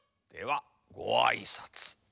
ではごあいさつ。